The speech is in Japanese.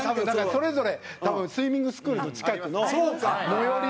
それぞれ多分スイミングスクールの近くの最寄りの。